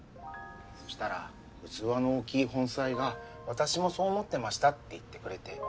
そしたら器の大きい本妻が「私もそう思ってました」って言ってくれて。